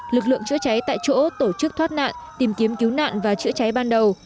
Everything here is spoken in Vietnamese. lực lượng chữa cháy tại chỗ tổ chức thoát nạn tìm kiếm cứu nạn và chữa cháy ban đầu